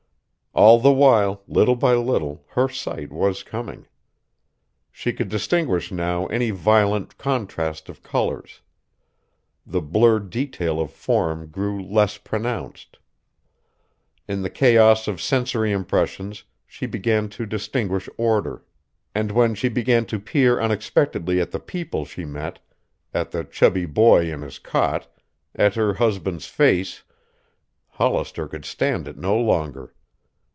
All the while, little by little, her sight was coming She could distinguish now any violent contrast of colors. The blurred detail of form grew less pronounced. In the chaos of sensory impressions she began to distinguish order; and, when she began to peer unexpectedly at the people she met, at the chubby boy in his cot, at her husband's face, Hollister could stand it no longer.